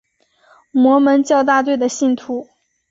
摩门教大队的信徒。